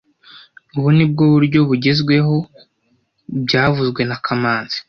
Ubu ni bwo buryo bugezweho byavuzwe na kamanzi